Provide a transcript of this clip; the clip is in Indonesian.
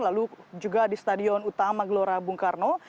lalu juga di stadion utama gelora bung karno